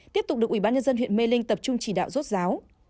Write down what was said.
tiếp tục được ubnd huyện mê linh tập trung chỉ đạo rốt ráo